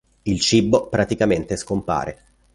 Il cibo praticamente scompare.